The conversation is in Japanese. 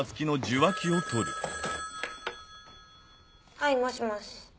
はいもしもし。